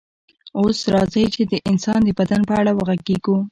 اوس راځئ چې د انسان د بدن په اړه وغږیږو